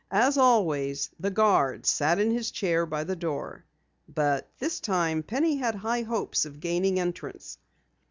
As always, the guard sat in his chair by the door. But this time Penny had high hopes of gaining entrance.